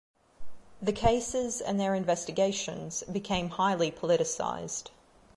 The cases and their investigations became highly politicized.